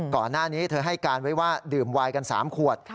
ก่อนหน้านี้เธอให้การไว้ว่าดื่มวายกัน๓ขวด